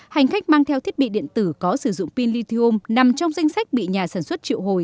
hành khách mang theo thiết bị điện tử có sử dụng pin lithium nằm trong danh sách bị nhà sản xuất triệu hồi